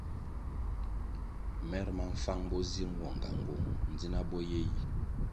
Mer ma mfang bo zir nwo ngangung ndzina bo ye yi.